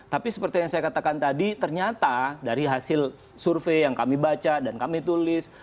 tapi seperti yang saya katakan tadi ternyata dari hasil survei yang kami baca dan kami tulis